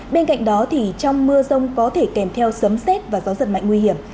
bên cạnh đó thì trong mưa rông có thể kèm theo sấm xét và gió giật mạnh nguy hiểm